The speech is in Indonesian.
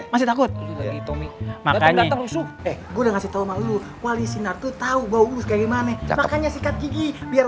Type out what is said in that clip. makanya gue kasih tahu wali sinar tuh tahu bagus kayak gimana makanya sikat gigi biar